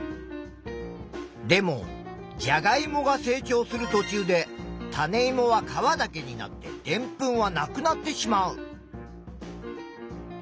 でもじゃがいもが成長するとちゅうで種いもは皮だけになってでんぷんはなくなってしまう。